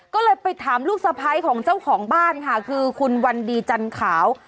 ก็เลยไปถามลูกสะพ้ายของเจ้าของบ้านค่ะคือคุณวันดีจันขาว